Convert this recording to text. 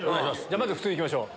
まず普通にいきましょう。